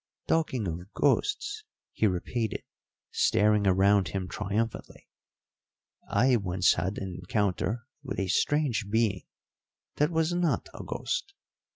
"Talking of ghosts," he repeated, staring around him triumphantly, "I once had an encounter with a strange being that was not a ghost.